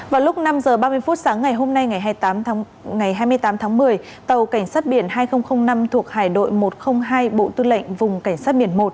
vào lúc năm h ba mươi phút sáng ngày hôm nay ngày hai mươi tám ngày hai mươi tám tháng một mươi tàu cảnh sát biển hai nghìn năm thuộc hải đội một trăm linh hai bộ tư lệnh vùng cảnh sát biển một